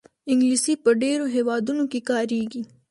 انګلیسي په ډېرو هېوادونو کې کارېږي